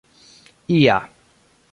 ia